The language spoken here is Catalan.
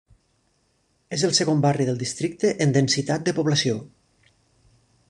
És el segon barri del districte en densitat de població.